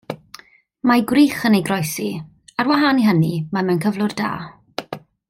Mae gwrych yn ei groesi; ar wahân i hynny mae mewn cyflwr da.